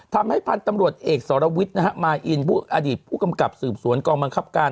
ทำให้พันธ์ตำรวจเอกสรวิทธิ์มาอินอดีตผู้กำกับสืบสวนกองบังคับการ